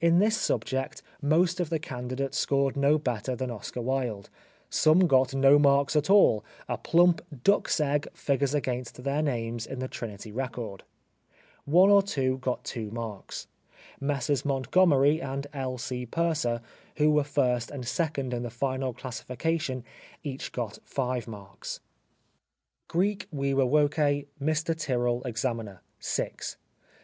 In this subject most of the candidates scored no better than Oscar Wilde, some got no marks at all, a plump duck's egg figures against their names in the Trinity record. One or two got two marks. Messrs Montgomery and L. C. Purser, who were first and second in the final classification, each got five marks.) 119 The Life of Oscar Wilde Greek Viva Voce (Mr Tyrell, examiner) — 6.